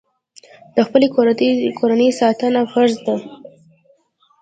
د خپلې کورنۍ ساتنه فرض ده.